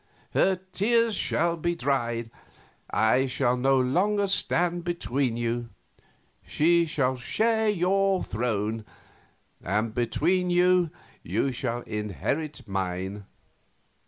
Her tears shall be dried; I will no longer stand between you; she shall share your throne; and between you you shall inherit mine.